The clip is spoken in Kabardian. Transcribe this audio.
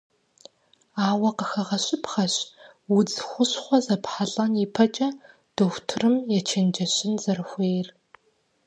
Ауэ къыхэгъэщыпхъэщ, удз хущхъуэ зэпхьэлӏэн ипэкӏэ дохутырым ечэнджэщын зэрыхуейр.